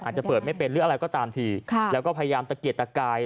อาจจะเปิดไม่เป็นหรืออะไรก็ตามทีแล้วก็พยายามตะเกียดตะกาย